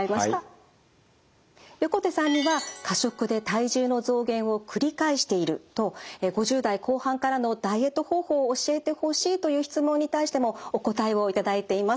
横手さんには「過食で体重の増減を繰り返している」と「５０代後半からのダイエット方法を教えて欲しい」という質問に対してもお答えを頂いています。